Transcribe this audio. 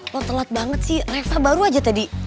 lo telat banget sih reva baru aja tadi